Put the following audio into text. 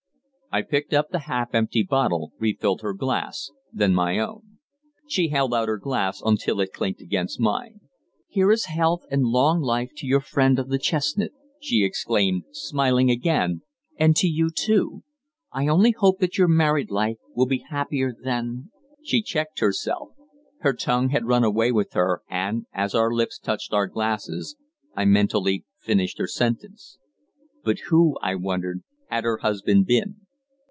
I picked up the half empty bottle, refilled her glass, then my own. She held out her glass until it clinked against mine. "Here is health and long life to your friend on the chestnut," she exclaimed, smiling again, "and to you too. I only hope that your married life will be happier than " She checked herself. Her tongue had run away with her, and, as our lips touched our glasses, I mentally finished her sentence. But who, I wondered, had her husband been?